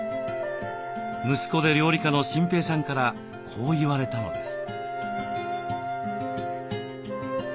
息子で料理家の心平さんからこう言われたのです。